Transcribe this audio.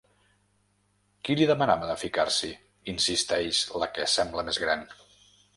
Qui li demanava de ficar-s'hi? —insisteix la que sembla més gran.